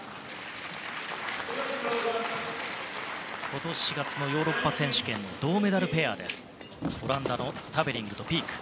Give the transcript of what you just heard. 今年４月のヨーロッパ選手権銅メダルペアオランダのタベリングとピーク。